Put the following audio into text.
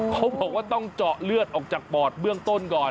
เขาบอกว่าต้องเจาะเลือดออกจากปอดเบื้องต้นก่อน